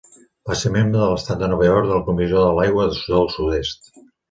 Va ser membre de l'estat de Nova York de la Comissió de l'aigua del sud-est.